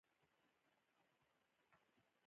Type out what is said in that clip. پیاز د فټنو خوند زیاتوي